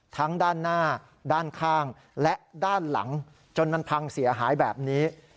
ทั้งด้านหน้าด้านข้างและด้านหลังจนมันพังเสียหายแบบนี้